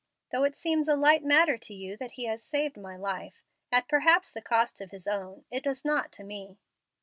Though it seems a light matter to you that he has saved my life, at perhaps the cost of his own, it does not to me."